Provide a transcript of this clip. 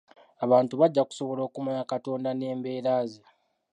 Abantu bajja kusobola okumanya Katonda n'embeera ze.